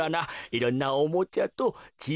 いろんなおもちゃとちぃ